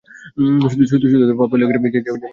শুধু পা ফেললেই হয়ে যায়, যেমন, এই গাছটা আমার।